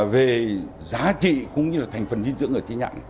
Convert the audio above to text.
về giá trị cũng như là thành phần dinh dưỡng ở trí nhãn